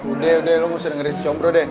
udah udah lu masih dengerin si combro deh